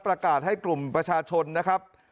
ประกาศให้กลุ่มประชาชนนะครับ